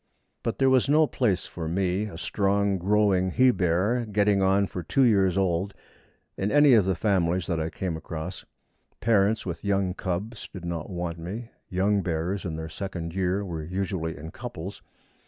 But there was no place for me a strong, growing he bear, getting on for two years old in any of the families that I came across. Parents with young cubs did not want me. Young bears in their second year were usually in couples.